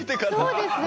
そうです。